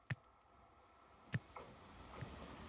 Uyda dimiqib ketib bir aylandim.